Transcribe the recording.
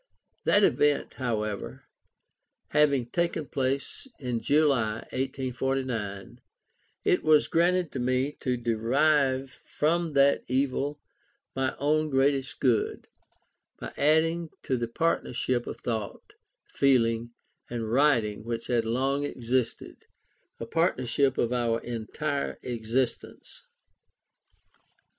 That event, however, having taken place in July, 1849, it was granted to me to derive from that evil my own greatest good, by adding to the partnership of thought, feeling, and writing which had long existed, a partnership of our entire existence.